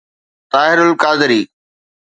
Tahir al-Qadri